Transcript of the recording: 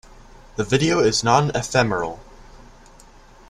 The video is non-ephemeral.